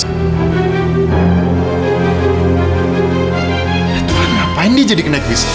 ya tuhan ngapain dia jadi kena kis